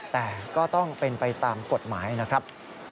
แต่ก็ต้องเป็นไปตามกฎหมายนะครับ